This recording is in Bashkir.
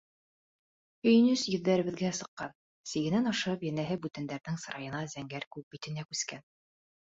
Һөйөнөс йөҙҙәребеҙгә сыҡҡан, сигенән ашып, йәнәһе, бүтәндәрҙең сырайына, зәңгәр күк битенә күскән.